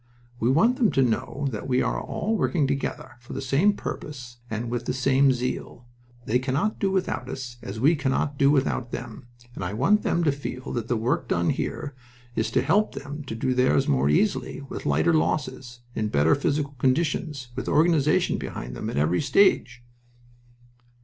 "We want them to know that we are all working together, for the same purpose and with the same zeal. They cannot do without us, as we cannot do without them, and I want them to feel that the work done here is to help them to do theirs more easily, with lighter losses, in better physical conditions, with organization behind them at every stage."